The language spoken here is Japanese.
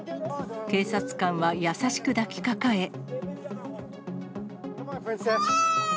警察官は優しく抱きかかえ。